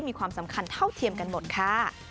มีความสำคัญเท่าเทียมกันหมดค่ะ